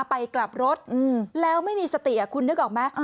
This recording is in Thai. ไปกลับรถอืมแล้วไม่มีสติอ่ะคุณนึกออกไหมอืม